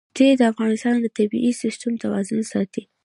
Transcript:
ښتې د افغانستان د طبعي سیسټم توازن ساتي.